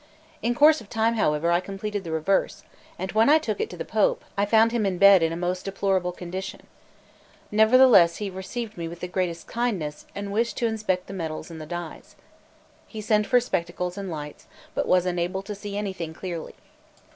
In course of time, however, I completed the reverse; and when I took it to the Pope, I found him in bed in a most deplorable condition. Nevertheless, he received me with the greatest kindness, and wished to inspect the medals and the dies. He sent for spectacles and lights, but was unable to see anything clearly.